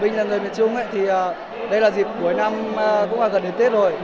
vì nhân dân người miền trung thì đây là dịp cuối năm cũng gần đến tết rồi